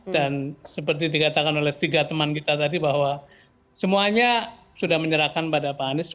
dan seperti dikatakan oleh tiga teman kita tadi bahwa semuanya sudah menyerahkan pada pak anies